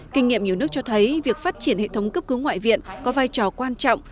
kinh nghiệm nhiều nước cho thấy việc phát triển hệ thống cấp cứu ngoại viện có vai trò quan trọng